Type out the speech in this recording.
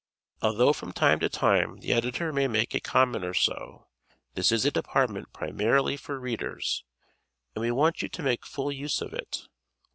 Although from time to time the Editor may make a comment or so, this is a department primarily for Readers, and we want you to make full use of it.